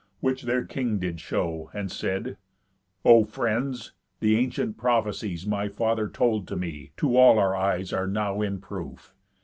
Which their king did show, And said: "O friends, the ancient prophecies My father told to me, to all our eyes Are now in proof.